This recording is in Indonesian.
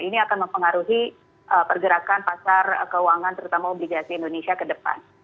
ini akan mempengaruhi pergerakan pasar keuangan terutama obligasi indonesia ke depan